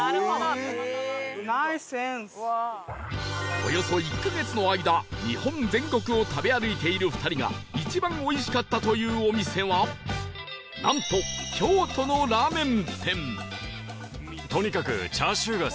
およそ１カ月の間日本全国を食べ歩いている２人が一番おいしかったというお店はなんと「素晴らしい」。